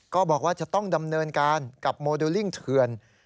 บอกว่าจะต้องดำเนินการกับโมเดลลิ่งเถื่อน